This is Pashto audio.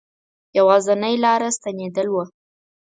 یوازنی لاره ستنېدل وه.